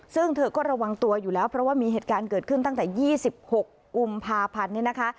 ซึ่งเธอก็ระวังตัวอยู่แล้วเพราะว่ามีเหตุการณ์เกิดขึ้นตั้งแต่๒๖กุมภาพันธ์เนี่ยนะคะ